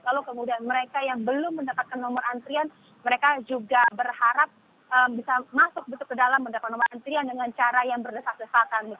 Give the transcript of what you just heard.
lalu kemudian mereka yang belum mendapatkan nomor antrian mereka juga berharap bisa masuk ke dalam mendapatkan nomor antrian dengan cara yang berdesak desakan